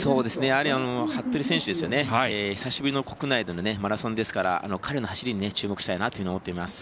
服部選手久しぶりの国内のマラソンですから彼の走りに注目したいなと思っています。